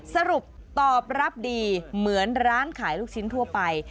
สรุปตอบรับดีเหมือนร้านขายลูกชิ้นทั่วไป